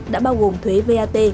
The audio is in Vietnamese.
đã bao gồm thuế vat